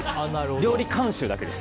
料理監修だけです。